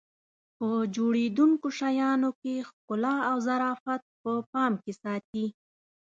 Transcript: په جوړېدونکو شیانو کې ښکلا او ظرافت په پام کې ساتي.